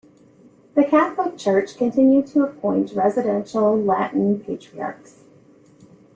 The Catholic Church continued to appoint residential Latin Patriarchs.